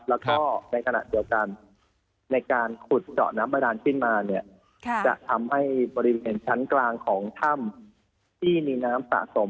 แล้วก็ในขณะเดียวกันในการขุดเจาะน้ำบาดานขึ้นมาเนี่ยจะทำให้บริเวณชั้นกลางของถ้ำที่มีน้ำสะสม